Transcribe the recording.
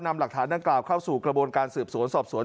นำหลักฐานดังกล่าวเข้าสู่กระบวนการสืบสวนสอบสวน